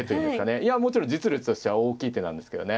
いやもちろん実利としては大きい手なんですけどね。